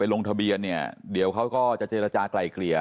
ลงทะเบียนเนี่ยเดี๋ยวเขาก็จะเจรจากลายเกลี่ย